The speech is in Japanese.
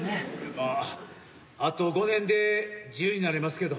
まああと５年で自由になれますけど。